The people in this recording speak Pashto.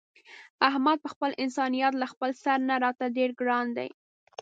احمد په خپل انسانیت له خپل سر نه راته ډېر ګران دی.